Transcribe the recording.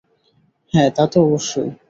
হ্যাঁ, তাতো অবশ্যই!